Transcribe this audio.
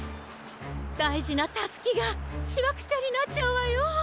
だいじなタスキがしわくちゃになっちゃうわよ。